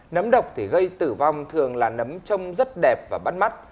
nấm độc thì gây tử vong thường là nấm trông rất đẹp và bắt mắt